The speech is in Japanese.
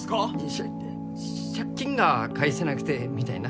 しゃ借金が返せなくてみたいな？